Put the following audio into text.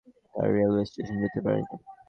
তাই রেলওয়ে স্টেশনে যেতে পারিনি।